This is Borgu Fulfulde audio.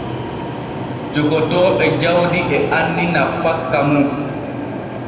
Jogotooɓe jawdi e anni nafakka mum.